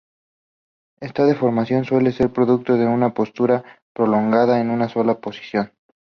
Esta deformación suele ser producto de una postura prolongada en una sola posición.